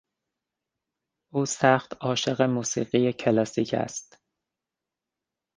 او سخت عاشق موسیقی کلاسیک است.